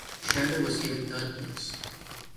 Shredder was given third place.